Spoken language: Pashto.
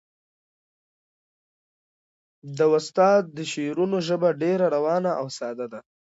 د استاد د شعرونو ژبه ډېره روانه او ساده ده.